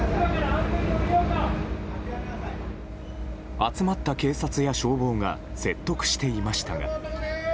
集まった警察や消防が説得していましたが。